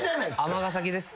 尼崎です。